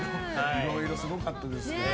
いろいろすごかったですよね。